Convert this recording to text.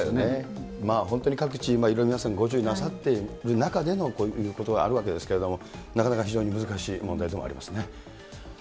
本当に各地いろいろ皆さん、ご注意なさっている中でのこういうことがあるわけですけれども、なかなか非常に難しい問題でもありますね。